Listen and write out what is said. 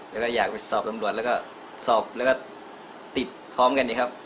แล้วก็อยากไปสอบตำรวจแล้วก็สอบแล้วก็ติดพร้อมกันนะครับ